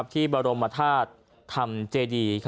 พระบรมธาตุธรรมเจดี